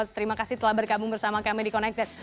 terima kasih telah bergabung bersama kami di connected